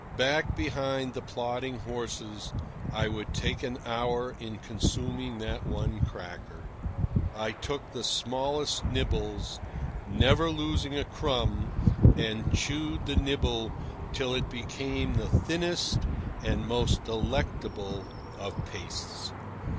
Back behind the plodding horses, I would take an hour in consuming that one cracker. I took the smallest nibbles, never losing a crumb, and chewed the nibble till it became the thinnest and most delectable of pastes.